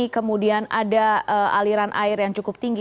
kemudian ada aliran air yang cukup tinggi